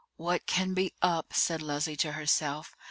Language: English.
"What can be up?" said Leslie to herself.